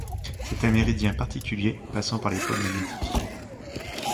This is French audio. C'est un méridien particulier passant par les pôles magnétiques.